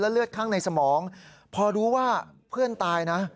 เลือดข้างในสมองพอรู้ว่าเพื่อนตายนะ